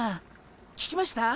聞きました？